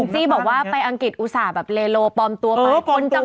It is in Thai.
แองซี่บอกว่าอังกฤษอุสาลโลย์ปลอมตัวต่อไป